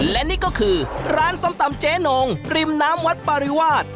และนี่ก็คือร้านส้มตำเจ๊นงริมน้ำวัดปริวาส